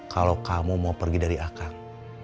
kalau kamu mau pergi dari akar